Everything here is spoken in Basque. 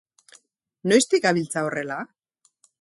Noiztik gabiltza horrela?